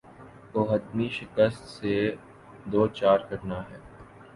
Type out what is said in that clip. کو حتمی شکست سے دوچار کرنا ہے۔